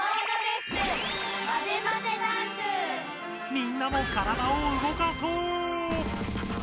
みんなも体を動かそう！